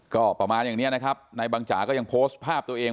ก็ประมาณอย่างนี้นะครับนายบังจ๋าก็ยังโพสต์ภาพตัวเอง